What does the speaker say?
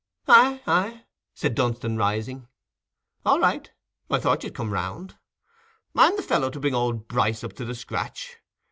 "Aye, aye," said Dunstan, rising; "all right. I thought you'd come round. I'm the fellow to bring old Bryce up to the scratch.